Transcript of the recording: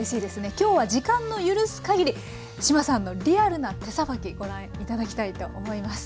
今日は時間の許すかぎり志麻さんのリアルな手さばきご覧頂きたいと思います。